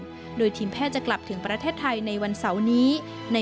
การเดินทางไปรับน้องมินครั้งนี้ทางโรงพยาบาลเวทธานีไม่มีการคิดค่าใช้จ่ายใด